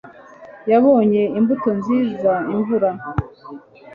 Yabonye imbuto nziza imvura